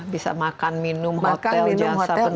bisa makan minum hotel jasa pendidikan